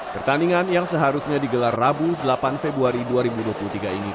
pertandingan yang seharusnya digelar rabu delapan februari dua ribu dua puluh tiga ini